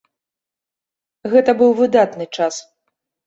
Гэта быў выдатны час.